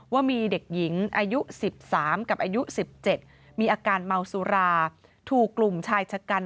ว่ามีเด็กหญิงอายุ๑๓กับอายุ๑๗มีอาการเมาสุราถูกกลุ่มชายชะกัน